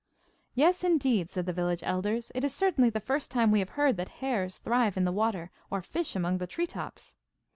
'Yes, indeed,' said the village elders, 'it is certainly the first time we have heard that hares thrive in the water or fish among the tree tops.